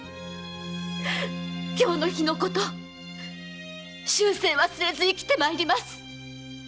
今日の日のこと終生忘れず生きてまいります！